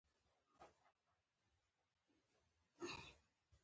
بېرته پر هماغه کمزوري سړک رهي شوم چې ډېر خراب و.